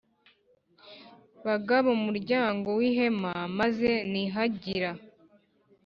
Bagabo muryango w,ihema maze nihagira